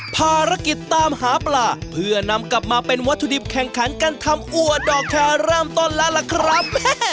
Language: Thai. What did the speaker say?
ภารกิจตามหาปลาเพื่อนำกลับมาเป็นวัตถุดิบแข่งขันการทำอัวดอกแคร์เริ่มต้นแล้วล่ะครับ